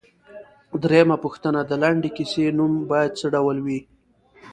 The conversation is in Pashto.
درېمه پوښتنه ـ د لنډې کیسې نوم باید څه ډول وي؟